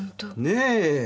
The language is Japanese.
ねえ。